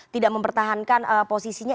tidak mempertahankan posisinya